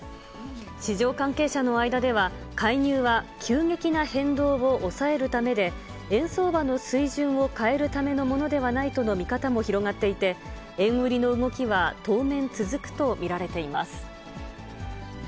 市場関係者の間では、介入は急激な変動を抑えるためで、円相場の水準を変えるためのものではないとの見方も広がっていて、円売りの動きは当面続くと見られています。